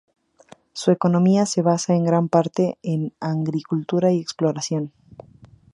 Su economía se basa en gran parte en agricultura y exploración.